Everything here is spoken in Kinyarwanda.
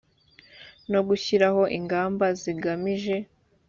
no gushyiraho ingamba zigamije